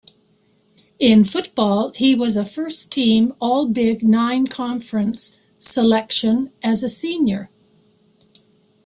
In football, he was a first team All-Big Nine Conference selection as a senior.